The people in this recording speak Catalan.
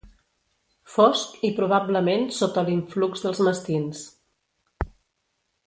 Fosc i probablement sota l'influx dels mastins.